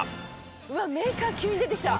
うわっメーカー急に出てきた。